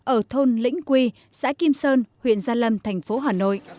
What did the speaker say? ở thôn lĩnh quy xã kim sơn huyện gia lâm thành phố hà nội